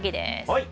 はい。